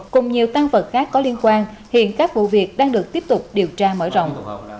cùng nhiều tăng vật khác có liên quan hiện các vụ việc đang được tiếp tục điều tra mở rộng